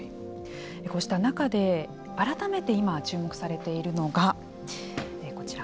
こうした中で、改めて今注目されているのがこちら。